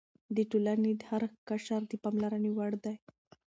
د ټولنې هر قشر د پاملرنې وړ دی.